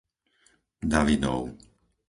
Davidov